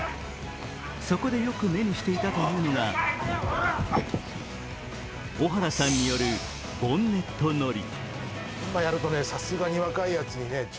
そこでよく目にしていたというのが小原さんによるボンネット乗り。